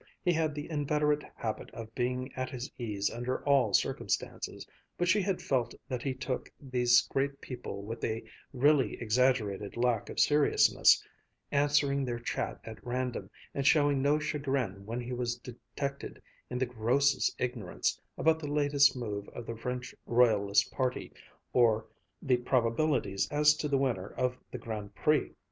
He had the inveterate habit of being at his ease under all circumstances, but she had felt that he took these great people with a really exaggerated lack of seriousness, answering their chat at random, and showing no chagrin when he was detected in the grossest ignorance about the latest move of the French Royalist party, or the probabilities as to the winner of the Grand Prix.